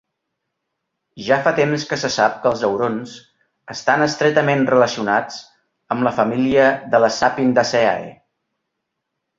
Ja fa temps que se sap que els aurons estan estretament relacionats amb la família de les Sapindaceae.